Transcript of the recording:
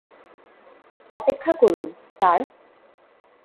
অপেক্ষা করুন, স্যার।